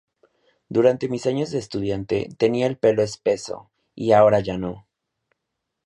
Durante mis años de estudiante, tenía el pelo espeso, y ahora ya no.